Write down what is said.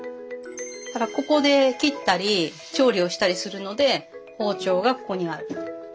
だからここで切ったり調理をしたりするので包丁がここにある。